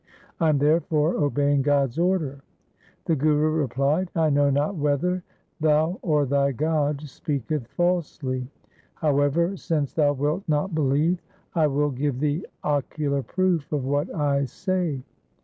I am therefore obeying God's order.' The Guru replied, ' I know not whether thou or thy God speaketh falsely. However, since thou wilt not believe, I will give thee ocular proof of what I say.'